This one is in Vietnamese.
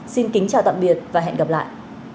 xin kính chào tạm biệt và hẹn gặp lại